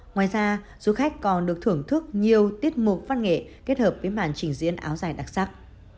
ngoài ra du khách còn được thưởng thức nhiều tiết mục văn nghệ kết hợp với màn trình diễn áo dài đặc sắc